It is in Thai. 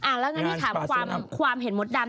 แล้วงั้นที่ถามความเห็นมดดำ